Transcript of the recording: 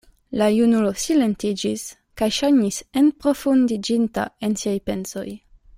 La junulo silentiĝis, kaj ŝajnis enprofundiĝinta en siaj pensoj.